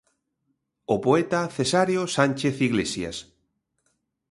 O poeta Cesáreo Sánchez Iglesias.